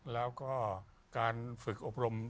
แล้วก็การฝึกอบรม